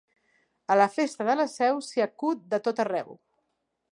A la festa de la Seu s'hi acut de tot arreu.